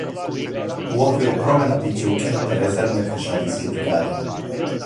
У оквиру промена биће укинуте резервне пешадијске бригаде.